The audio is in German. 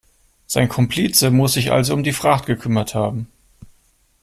Sein Komplize muss sich also um die Fracht gekümmert haben.